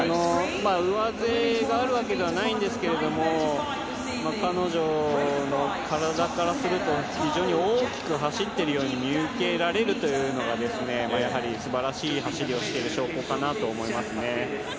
上背があるわけではないんですけれど、彼女の体からすると非常に大きく走ってるように見受けられるというのがやはり素晴らしい走りをしている証拠かなと思います。